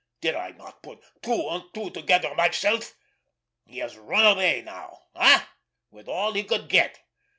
Did I not put two and two together myself? He has run away now—eh—with all he could get?